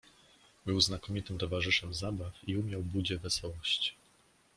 "Był znakomitym towarzyszem zabaw i umiał budzie wesołość."